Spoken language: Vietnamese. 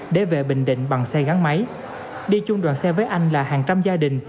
để về bình định bằng xe gắn máy đi chung đoàn xe với anh là hàng trăm gia đình